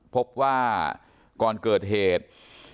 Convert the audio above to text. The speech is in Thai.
พบว่าก่อนเกิดเหตุ